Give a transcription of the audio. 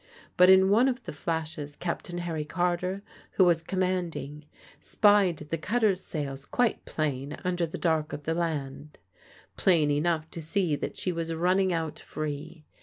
But in one of the flashes Captain Harry Carter, who was commanding, spied the cutter's sails quite plain under the dark of the land, plain enough to see that she was running out free.